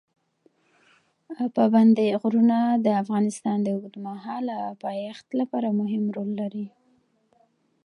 پابندی غرونه د افغانستان د اوږدمهاله پایښت لپاره مهم رول لري.